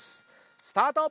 スタート！